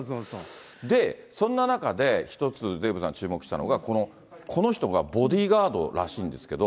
で、そんな中で１つ、デーブさん注目したのが、この人がボディーガードらしいんですけど。